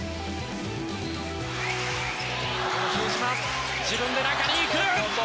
ここも比江島自分で中に行く。